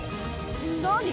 何？